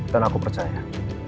dan aku percaya